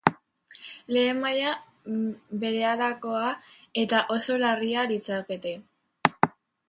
Lehen maila berehalakoa eta oso larria litzateke.